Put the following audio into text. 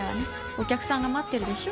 お客さんが待ってるでしょ。